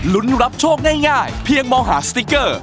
รับโชคง่ายเพียงมองหาสติ๊กเกอร์